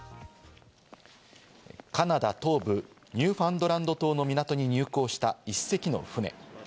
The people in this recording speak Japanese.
カナダ東部ニューファンドランド島の港に入港した１隻の船。